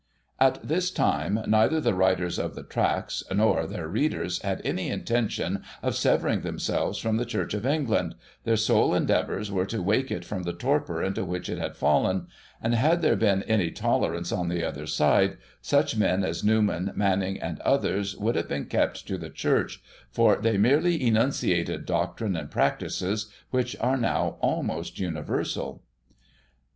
At this time, neither the writers of the Tracts, nor their readers, had any Intention of severing themselves from the Church of England, their sole endeavours were to wake it from the torpor into which it had fallen ; and, had there been any tolerance on the other side, such men as Newman, Manning, and others, would have been kept to the Church, for they merely enunciated doctrine and practices which are now almost universal.